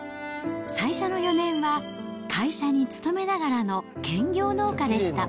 最初の４年は、会社に勤めながらの兼業農家でした。